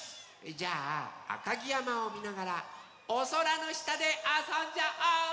じゃああかぎやまをみながらおそらのしたであそんじゃおう！